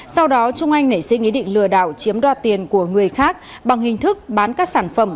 sau đó trung anh nảy sinh ý định lừa đảo chiếm đoạt tiền của người khác bằng hình thức bán các sản phẩm